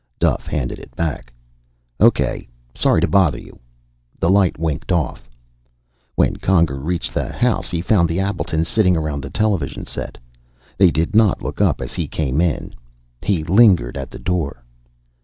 Duff handed it back. "Okay. Sorry to bother you." The light winked off. When Conger reached the house he found the Appletons sitting around the television set. They did not look up as he came in. He lingered at the door.